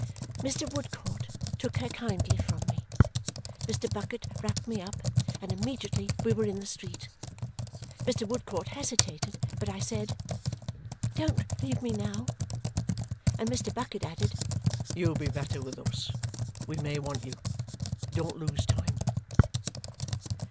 Mr. Woodcourt took her kindly from me. Mr. Bucket wrapped me up, and immediately we were in the street. Mr. Woodcourt hesitated, but I said, "Don't leave me now!" and Mr. Bucket added, "You'll be better with us, we may want you; don't lose time!"